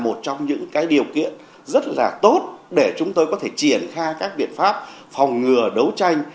một trong những điều kiện rất là tốt để chúng tôi có thể triển khai các biện pháp phòng ngừa đấu tranh